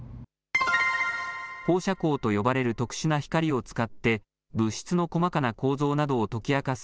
放射光と呼ばれる特殊な光を使って物質の細かな構造などを解き明かす